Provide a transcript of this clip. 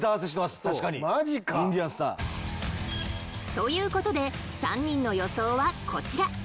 という事で３人の予想はこちら